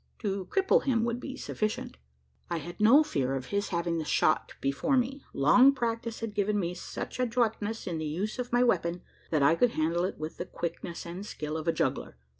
To "cripple" him would be sufficient. I had no fear of his having the shot before me. Long practice had given me such adroitness in the use of my weapon, that I could handle it with the quickness and skill of a juggler.